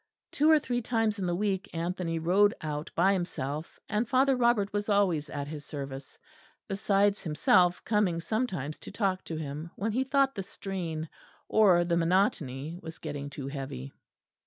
Two or three times in the week Anthony rode out by himself; and Father Robert was always at his service, besides himself coming sometimes to talk to him when he thought the strain or the monotony was getting too heavy.